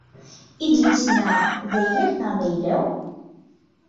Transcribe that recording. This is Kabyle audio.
Idlisen-a d ayla-k neɣ d ayla-w?